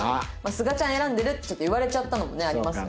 すがちゃん選んでるって言われちゃったのもねありますよね。